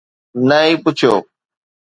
نه ئي پڇيو